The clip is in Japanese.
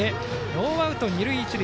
ノーアウト、二塁一塁。